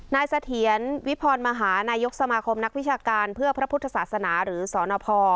เสถียรวิพรมหานายกสมาคมนักวิชาการเพื่อพระพุทธศาสนาหรือสนพ